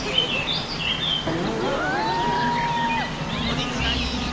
お肉がいい人。